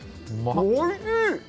おいしい！